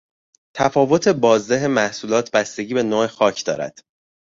تفاوت بازده محصولات بستگی به نوع خاک دارد.